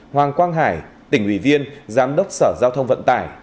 hoàng quang hải tỉnh ủy viên giám đốc sở giao thông vận tải